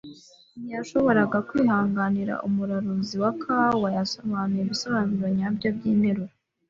Ntiyashoboraga kwihanganira umururazi wa kawa. Yasobanuye ibisobanuro nyabyo byinteruro.